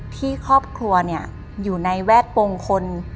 ที่ครอบครัวอยู่ในแวดวงคน